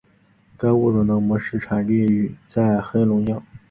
该物种的模式产地在黑龙江。